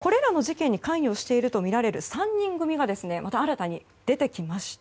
これらの事件に関与しているとみられる３人組がまた新たに出てきました。